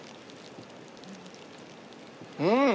うん！